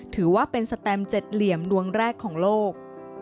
ถือว่าเป็นสแตมเจ็ดเหลี่ยมดวงแรกของโลก